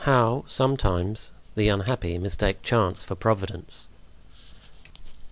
How, sometimes, the Unhappy mistake Chance for Providence.